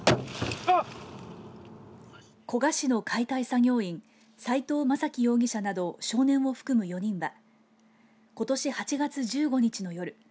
古河市の解体作業員斉藤雅樹容疑者など少年を含む４人がことし８月１５日の夜